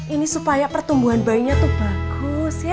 ini supaya pertumbuhan bayinya tuh bagus ya